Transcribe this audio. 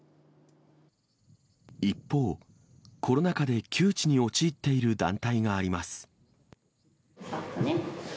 一方、コロナ禍で窮地に陥っている団体があります。